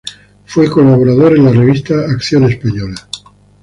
Fue colaborador en la revista "Acción Española".